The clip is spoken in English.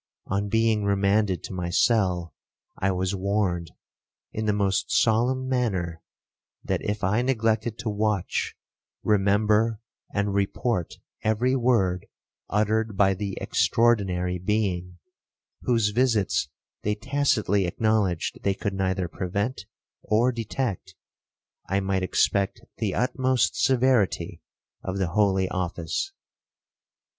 On being remanded to my cell, I was warned, in the most solemn manner, that if I neglected to watch, remember, and report every word uttered by the extraordinary being, whose visits they tacitly acknowledged they could neither prevent or detect, I might expect the utmost severity of the holy office.